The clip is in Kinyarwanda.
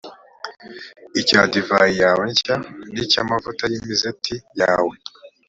icya divayi yawe nshya, n’icy’amavuta y’imizeti yawe,